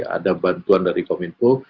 ada bantuan dari kominfo